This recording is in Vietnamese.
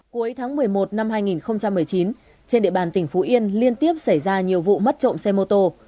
cuối tháng một mươi một năm hai nghìn một mươi chín trên địa bàn tỉnh phú yên liên tiếp xảy ra nhiều vụ mất trộm xe mô tô